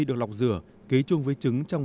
được lọc rửa kế chung với trứng trong